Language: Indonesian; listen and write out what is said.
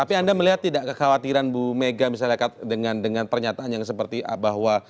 tapi anda melihat tidak kekhawatiran bu mega misalnya dengan pernyataan yang seperti bahwa